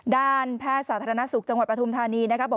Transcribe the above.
ด้านแพทย์สาธารณสุขจังหวัดปฐุมธานีนะคะบอก